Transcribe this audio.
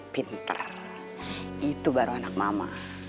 pinter itu baru anak mama